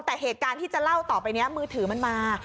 แต่เหตุการณ์ที่จะเล่าต่อไปนี้มือถือมันมา